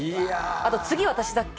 あと、次、私だっけ？